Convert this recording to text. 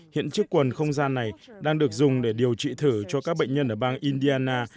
hiện chiếc quần không gian này đang được dùng để điều trị thử cho các bệnh nhân ở bang indiana